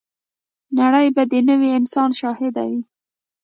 نړۍ به د نوي انسان شاهده وي.